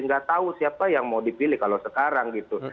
nggak tahu siapa yang mau dipilih kalau sekarang gitu